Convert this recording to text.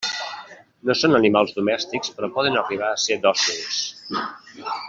No són animals domèstics però poden arribar a ser dòcils.